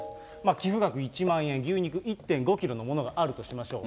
寄付額１万円、牛肉１．５キロのものがあるとしましょう。